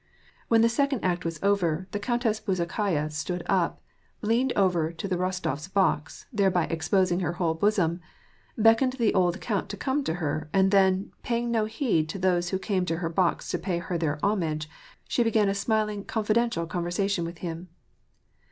When the second act was over, the Countess Bezukhaya stood up, leaned over to the Rostofs' box, — thereby exposing her whole bosom, — beckoned the old count to come to her, and then, paying no heed to those who came to her box to pay her their homage, she began a smiling, confidential conversation with him.